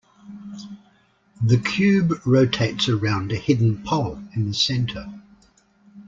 The Cube rotates around a hidden pole in the center.